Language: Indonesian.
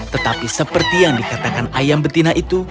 tetapi seperti yang dikatakan ayam betina itu